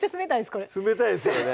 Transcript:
これ冷たいですよね